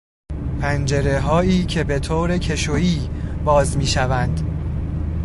پنجرههایی که به طور کشویی باز میشوند